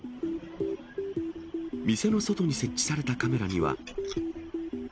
店の外に設置されたカメラには。